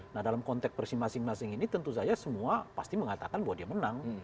nah dalam konteks persi masing masing ini tentu saja semua pasti mengatakan bahwa dia menang